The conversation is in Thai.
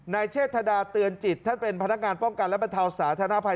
เชษฐดาเตือนจิตท่านเป็นพนักงานป้องกันและบรรเทาสาธารณภัย